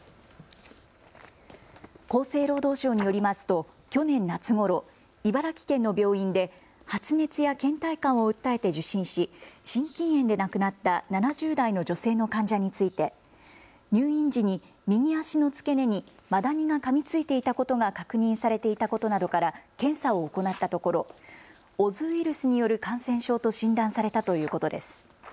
厚生労働省によりますと去年夏ごろ、茨城県の病院で発熱やけん怠感を訴えて受診し心筋炎で亡くなった７０代の女性の患者について入院時に右足の付け根にマダニがかみついていたことが確認されていたことなどから検査を行ったところ、オズウイルスによる感染症と診断されたということです。